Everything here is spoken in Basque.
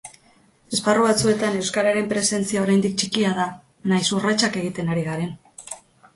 Esparru batzuetan euskararen presentzia oraindik txikia da, nahiz urratsak egiten ari garen.